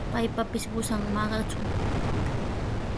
Paytapis qusan maqachun.